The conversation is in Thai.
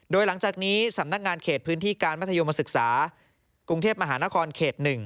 โดยหลังจากนี้สำนักงานเขตพื้นที่การมัธยมศึกษากรุงเทพมหานครเขต๑